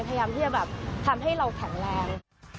พยายามที่จะแบบทำให้เราแข็งแรง